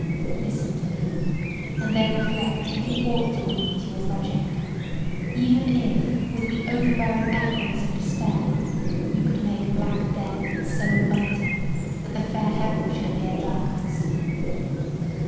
Listen to me, and then reflect if you ought to win me to your project, even if with the over bearing eloquence of despair you could make black death so inviting that the fair heaven should appear darkness.